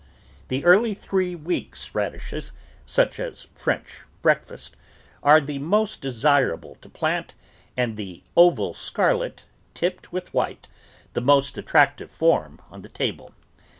The early three weeks' radishes — such as French Breakfast — are the most desirable to plant, and the oval scarlet, tipped with white, the most attractive form on the table.